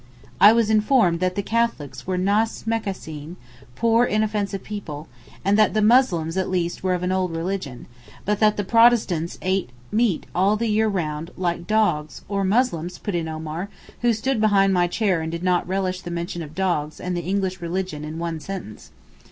I was informed that the Catholics were naas mesakeen (poor inoffensive people), and that the Muslims at least were of an old religion, but that the Protestants ate meat all the year round, 'like dogs'—'or Muslims,' put in Omar, who stood behind my chair and did not relish the mention of dogs and the 'English religion' in one sentence.